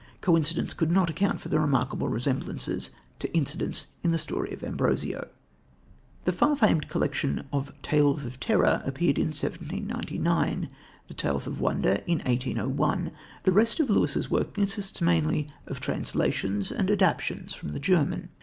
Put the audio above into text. Coincidence could not account for the remarkable resemblances to incidents in the story of Ambrosio. The far famed collection of Tales of Terror appeared in 1799, The Tales of Wonder in 1801. The rest of Lewis's work consists mainly of translations and adaptations from the German.